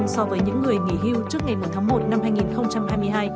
so với những người nghỉ hưu trước ngày một tháng một năm hai nghìn hai mươi hai